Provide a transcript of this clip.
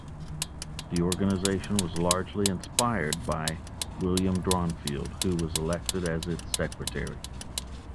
The organisation was largely inspired by William Dronfield, who was elected as its Secretary.